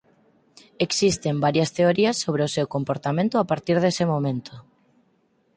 Existen varias teorías sobre o seu comportamento a partir deste momento.